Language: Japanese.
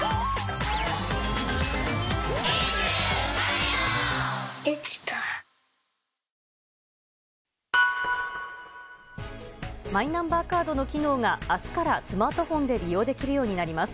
イライラには緑の漢方セラピーマイナンバーカードの機能が明日からスマートフォンで利用できるようになります。